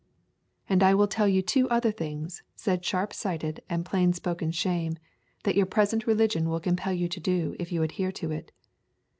And I will tell you two other things, said sharp sighted and plain spoken Shame, that your present religion will compel you to do if you adhere to it.